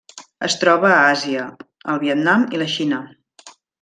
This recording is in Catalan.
Es troba a Àsia: el Vietnam i la Xina.